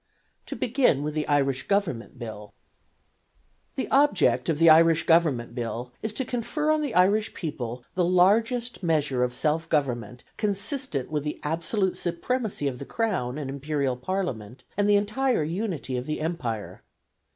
To begin with the Irish Government Bill The object of the Irish Government Bill is to confer on the Irish people the largest measure of self government consistent with the absolute supremacy of the Crown and Imperial Parliament and the entire unity of the Empire.